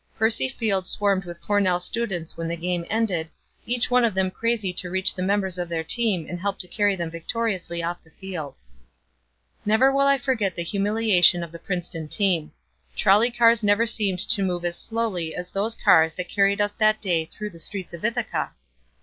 Percy Field swarmed with Cornell students when the game ended, each one of them crazy to reach the members of their team and help to carry them victoriously off the field. Never will I forget the humiliation of the Princeton team. Trolley cars never seemed to move as slowly as those cars that carried us that day through the streets of Ithaca.